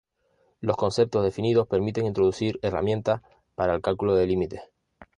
Los conceptos definidos permiten introducir herramientas para el cálculo de límites.